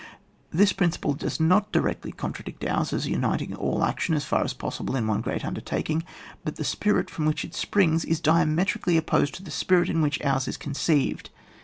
This principle does not directly con tradict ours as to uniting all action as far as possible in one great undertaking, but the spirit from which it springs is dia metrically opposed to the spirit in which ours is conceived.